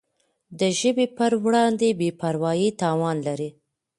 د ژبي پر وړاندي بي پروایي تاوان لري.